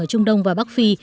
ở trung đông và bắc phi